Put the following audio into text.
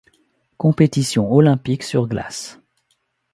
Compétitions olympiques sur glace.